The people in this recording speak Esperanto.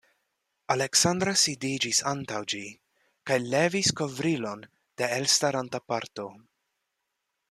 Aleksandra sidiĝis antaŭ ĝi kaj levis kovrilon de elstaranta parto.